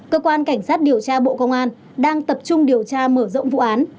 cơ quan cảnh sát điều tra bộ công an đang tập trung điều tra mở rộng vụ án